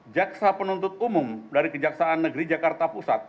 jaksa penuntut umum dari kejaksaan negeri jakarta pusat